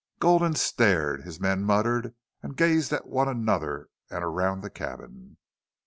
Gulden stared. His men muttered and gazed at one another and around the cabin.